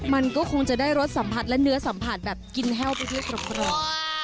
มันก็คงจะได้รสสัมผัสและเนื้อสัมผัสแบบกินแห้วไปที่กรอบ